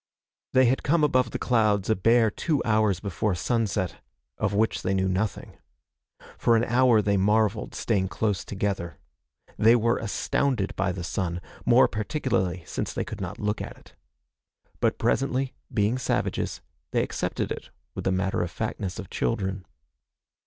They had come above the clouds a bare two hours before sunset of which they knew nothing. For an hour they marveled, staying close together. They were astounded by the sun, more particularly since they could not look at it. But presently, being savages, they accepted it with the matter of factness of children.